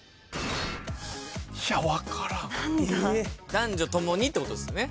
男女ともにってことですよね。